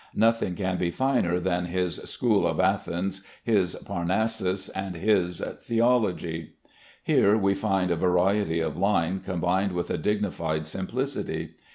Nothing can be finer than his "School of Athens," his "Parnassus," and his "Theology." Here we find variety of line combined with a dignified simplicity.